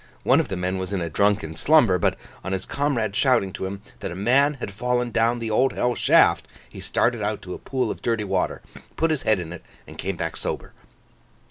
One of the men was in a drunken slumber, but on his comrade's shouting to him that a man had fallen down the Old Hell Shaft, he started out to a pool of dirty water, put his head in it, and came back sober.